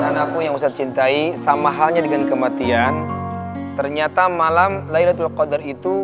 dan aku yang usah cintai sama halnya dengan kematian ternyata malam laylatul kodar itu